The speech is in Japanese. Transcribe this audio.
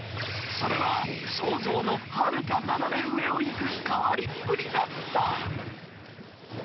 それは、想像のはるか斜め上を行く、変わりっぷりだった。